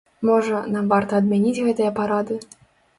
Можа, нам варта адмяніць гэтыя парады?